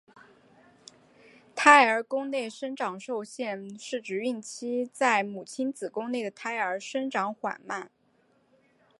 胎儿宫内生长受限是指孕期在母亲子宫内的胎儿生长缓慢。